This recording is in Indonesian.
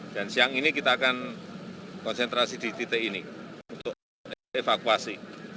dan siang ini kita akan konsentrasi di titik ini untuk evakuasi